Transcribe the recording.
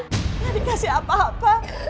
gak dikasih apa apa